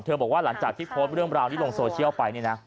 บอกว่าหลังจากที่โพสต์เรื่องราวนี้ลงโซเชียลไปเนี่ยนะ